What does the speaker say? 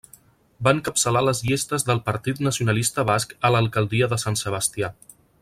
Va encapçalar les llistes del Partit Nacionalista Basc a l'alcaldia de Sant Sebastià.